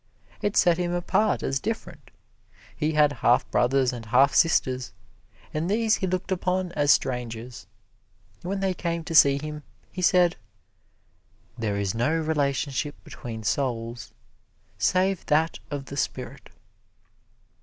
It set him apart as different. He had half brothers and half sisters, and these he looked upon as strangers. When they came to see him, he said, "There is no relationship between souls save that of the spirit."